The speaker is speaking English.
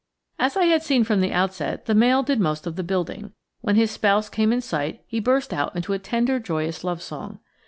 As I had seen from the outset, the male did almost all the building. When his spouse came in sight he burst out into a tender joyous love song.